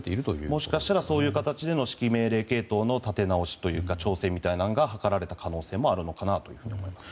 もしかしたらそういう形での指揮命令系統の立て直しというか調整が図られた可能性があると考えられます。